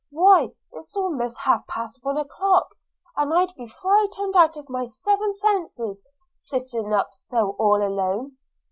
Why it's almost half past one o'clock, and I be frighted out of my seven senses sitting up so all alone.'